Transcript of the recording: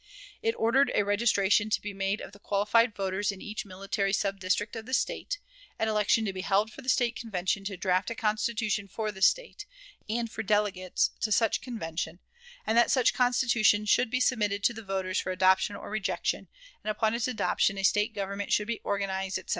It ordered a registration to be made of the qualified voters in each military sub district of the State, an election to be held for the State Convention to draft a Constitution for the State, and for delegates to such convention; and that such Constitution should be submitted to the voters for adoption or rejection, and upon its adoption a State government should be organized, etc.